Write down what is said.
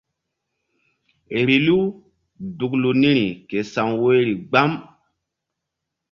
Vbilu duklu niri ke sa̧w woyri gbam.